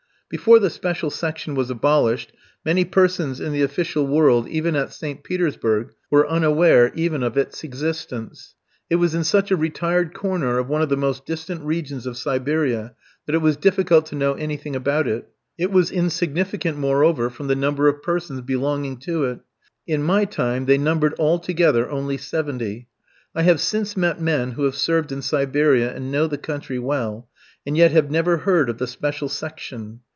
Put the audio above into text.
Before the special section was abolished, many persons in the official world, even at St. Petersburg, were unaware even of its existence. It was in such a retired corner of one of the most distant regions of Siberia, that it was difficult to know anything about it. It was insignificant, moreover, from the number of persons belonging to it. In my time they numbered altogether only seventy. I have since met men who have served in Siberia, and know the country well, and yet have never heard of the "special section."